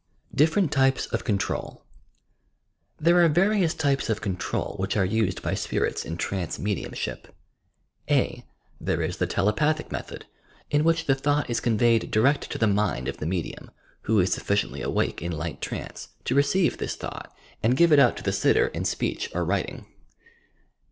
DIFFERENT TYPES OP CONTROL. There are various types of control which are used by spirits in trance mediumship. (a) There is the telepathic method, in which the thought is conveyed direct to the mind of the medium, who is sufficiently awake in light trtuice, to receive this thought and give it out to the sitter in speech or writing.